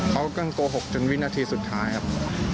เขาก็โกหกจนวินาทีสุดท้ายครับ